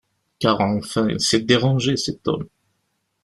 Car, enfin, il s’est dérangé, cet homme !